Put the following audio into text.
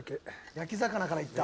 焼き魚からいった。